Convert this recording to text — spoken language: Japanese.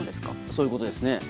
そういうことですね。